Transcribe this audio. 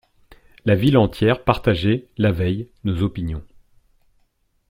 La ville entière partageait, la veille, nos opinions.